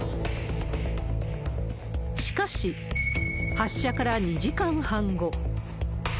しかし、発射から２時間半後。